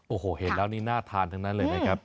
โอ้โหเห็นแล้วนี่น่าทานทั้งนั้นเลยนะครับ